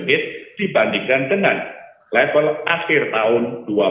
dibandingkan dengan level akhir tahun dua ribu dua puluh